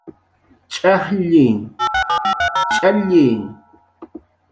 Ch'ajlli, Ch'alli